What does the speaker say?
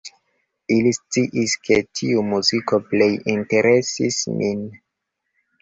Ili sciis, ke tiu muziko plej interesis min.